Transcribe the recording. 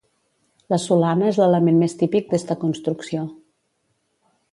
La solana és l'element més típic d'esta construcció.